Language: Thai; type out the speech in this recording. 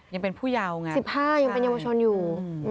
ยังเป็นผู้เยาวไง๑๕ยังเป็นเยาวชนอยู่